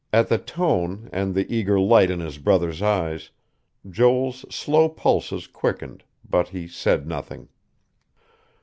At the tone, and the eager light in his brother's eyes, Joel's slow pulses quickened, but he said nothing.